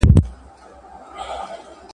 لټ د دوبي سیوری غواړي د ژمي پیتاوی.